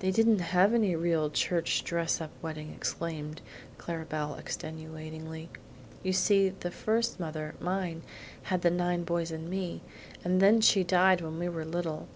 "They didn't have any real church dress up wedding," explained Clara Belle extenuatingly. "You see the first mother, mine, had the big boys and me, and then she died when we were little.